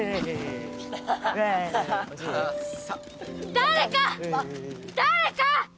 誰か誰か！